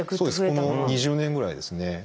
この２０年ぐらいですね。